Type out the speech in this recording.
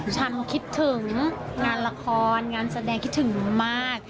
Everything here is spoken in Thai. ฉันคิดถึงงานละครงานแสดงคิดถึงมาก